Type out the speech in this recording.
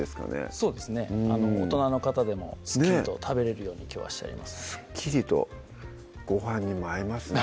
そうですね大人の方でもスッキリと食べれるようにきょうはしてありますのでスッキリとごはんにも合いますね